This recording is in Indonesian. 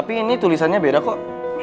tapi ini tulisannya beda kok